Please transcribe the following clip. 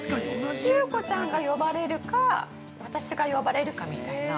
優子ちゃんが呼ばれるか私が呼ばれるかみたいな。